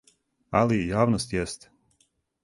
Али, јавност јесте.